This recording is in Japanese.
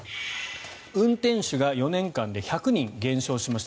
運転手が４年間で１００人減少しました。